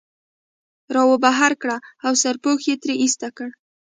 را وبهر کړ او سرپوښ یې ترې ایسته کړ.